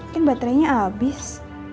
kan baterainya abis